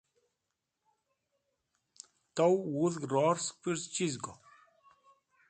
tow wudg ror sek purz chiz go?